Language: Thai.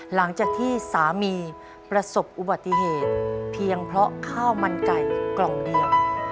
หลังจากที่สามีประสบอุบัติเหตุเพียงเพราะข้าวมันไก่กล่องเดียว